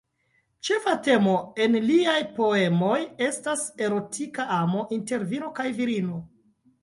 Ĉefa temo en liaj poemoj estas erotika amo inter viro kaj virino.